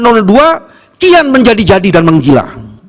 nomor dua kian menjadi jadi dan menggila